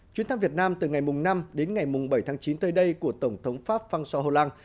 chuyến thăm việt nam từ ngày năm đến ngày bảy tháng chín tới đây của tổng thống pháp phan xoa hồ lăng